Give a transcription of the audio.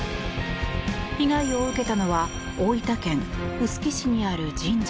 被害を受けたのは大分県臼杵市にある神社。